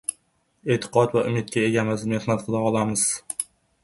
Eʼtiqod va umidga egamiz, mehnat qila olamiz.